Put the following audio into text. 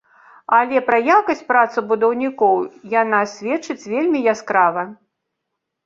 Але пра якасць працы будаўнікоў яна сведчыць вельмі яскрава.